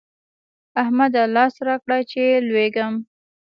احمده! لاس راکړه چې لوېږم.